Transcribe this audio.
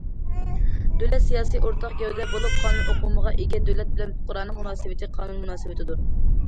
دۆلەت سىياسىي ئورتاق گەۋدە بولۇپ، قانۇن ئۇقۇمىغا ئىگە، دۆلەت بىلەن پۇقرانىڭ مۇناسىۋىتى قانۇن مۇناسىۋىتىدۇر.